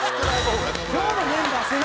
今日のメンバー背中